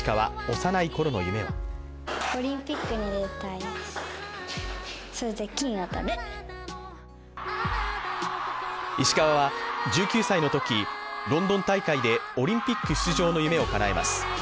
幼いころの夢は石川は１９歳のとき、ロンドン大会でオリンピック出場の夢をかなえます。